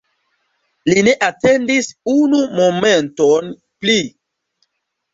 Li ne atendis unu momenton pli.